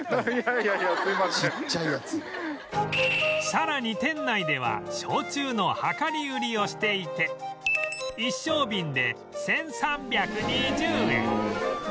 さらに店内では焼酎の量り売りをしていて一升瓶で１３２０円